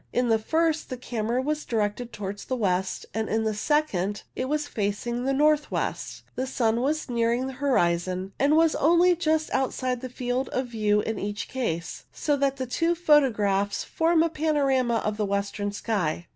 In the first the camera was directed towards the west, and in the second it was facing the north west. The sun was nearing the horizon, and was only just outside the field of view in each case, so that the two photographs form a panorama of the western sky.